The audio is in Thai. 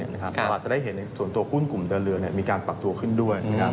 เราอาจจะได้เห็นส่วนตัวหุ้นกลุ่มเดินเรือมีการปรับตัวขึ้นด้วยนะครับ